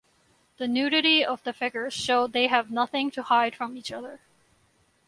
The nudity of the figures show they have nothing to hide from each other.